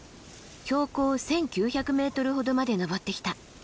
標高１，９００ｍほどまで登ってきた。